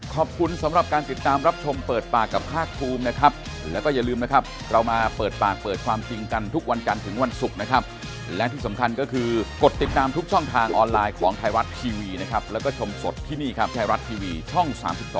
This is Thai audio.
ไทยรัฐทีวีแล้วก็ชมสดที่นี่ไทยรัฐทีวีช่อง๓๒